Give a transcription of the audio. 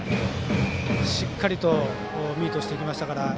しっかりとミートしていきましたから。